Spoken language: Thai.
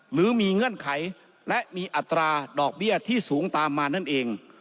หรือมีเงื่อนไขและมีอัตราดอกเบี้ยที่สูงตามมานั่นเอง